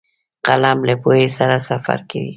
قلم له پوهې سره سفر کوي